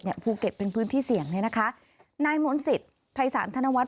จากภูเก็ตภูเก็ตเป็นพื้นที่เสี่ยงนายหมนศิษย์ไทยสารธนวัตร